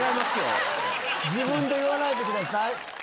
自分で言わないでください。